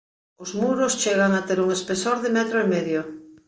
Os muros chegan a ter un espesor de metro e medio.